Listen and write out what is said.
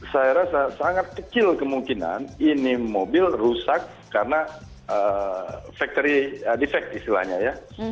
saya rasa sangat kecil kemungkinan ini mobil rusak karena factory defect istilahnya ya